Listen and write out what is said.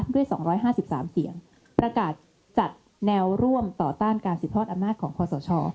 ด้วยสองร้อยห้าสิบสามเสียงประกาศจัดแนวร่วมต่อต้านการสื่อทอดอำนาจของคอสาชอ